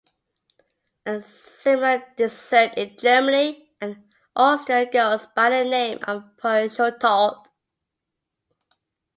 A similar dessert in Germany and Austria goes by the name of Punschtorte.